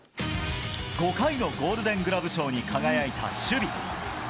５回のゴールデングラブ賞に輝いた守備。